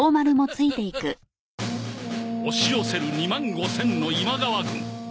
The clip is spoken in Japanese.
押し寄せる２万５０００の今川軍